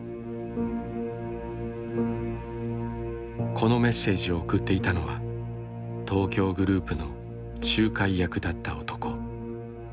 このメッセージを送っていたのは東京グループの仲介役だった男。